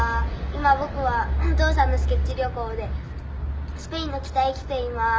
「今僕はお父さんのスケッチ旅行でスペインの北へ来ています」